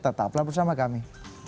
tetaplah bersama kami